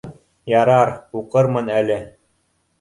Ярар, уҡырмын әле